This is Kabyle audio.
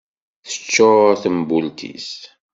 Tecčur tembult-is.